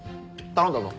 頼んだぞ。